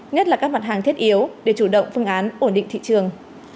nhất là các mặt hàng thiết yếu để chủ động phương án ổn định thị trường